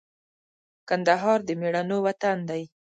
کندهار د مېړنو وطن دی